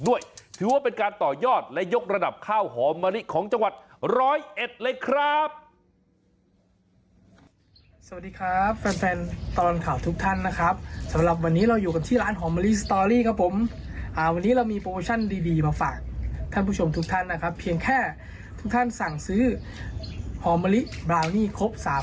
ถือว่าเป็นการต่อยอดและยกระดับข้าวหอมมะลิของจังหวัดร้อยเอ็ดเลยครับ